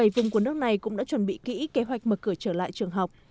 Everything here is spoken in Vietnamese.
bảy vùng của nước này cũng đã chuẩn bị kỹ kế hoạch mở cửa trở lại trường học